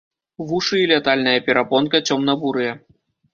Вушы і лятальная перапонка цёмна-бурыя.